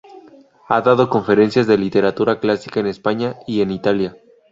Ha dado conferencias de literatura clásica en España y en Italia.